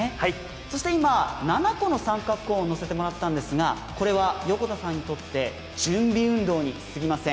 そして今、７個の三角コーンを乗せてもらったんですがこれは横田さんにとって準備運動にすぎません。